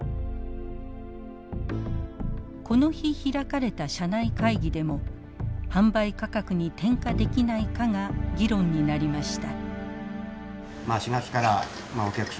この日開かれた社内会議でも販売価格に転嫁できないかが議論になりました。